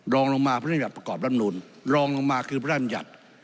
รองลงมาพระนุญาตประกอบรัฐนุนรองลงมาคือพระนุญาต